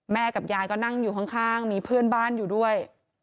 กับยายก็นั่งอยู่ข้างมีเพื่อนบ้านอยู่ด้วย